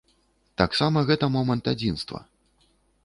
Таксама гэта момант адзінства.